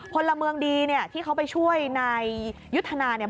พลเมืองดีเนี่ยที่เขาไปช่วยนายยุทธนาเนี่ย